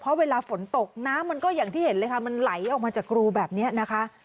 เพราะเวลาฝนตกน้ำมันก็อย่างที่เห็นเลยค่ะมันไหลออกมาจากรูแบบนี้นะคะ